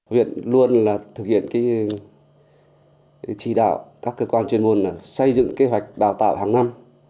huyện luôn thực hiện chỉ đạo các cơ quan chuyên ngôn xây dựng kế hoạch đào tạo hàng năm